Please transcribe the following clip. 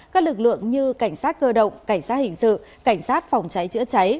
các lực lượng như cảnh sát cơ động cảnh sát hình sự cảnh sát phòng cháy chữa cháy